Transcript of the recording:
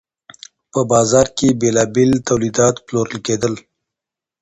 په بازار کي بیلابیل تولیدات پلورل کیدل.